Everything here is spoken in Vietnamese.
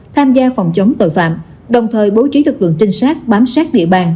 tham gia phòng chống tội phạm đồng thời bố trí lực lượng trinh sát bám sát địa bàn